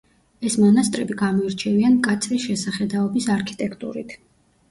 ეს მონასტრები გამოირჩევიან მკაცრი შესახედაობის არქიტექტურით.